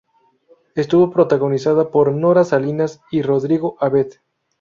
Estuvo protagonizada por Nora Salinas y Rodrigo Abed.